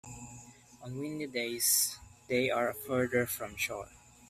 On windy days, they are further from shore.